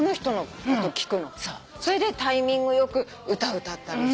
それでタイミング良く歌歌ったりして。